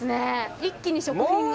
一気に食品が。